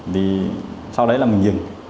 thì sau đấy là mình dừng